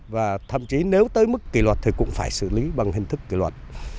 và thậm chí nếu tới mức kỳ luật thì cũng phải xử lý bằng hình thức kỳ luật